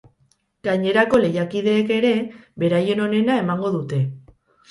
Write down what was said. Gainerako lehiakideek ere, beraien onena emango dute.